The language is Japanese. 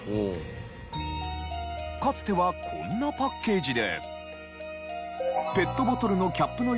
かつてはこんなパッケージで。